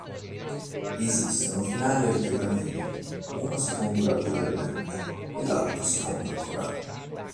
Esistono finali alternativi, uno secondo la via della Bibbia e l'altro secondo il Corano.